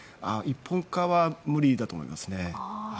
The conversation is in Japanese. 一本化は無理だと思いますね。